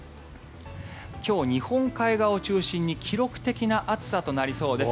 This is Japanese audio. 今日、日本海側を中心に記録的な暑さとなりそうです。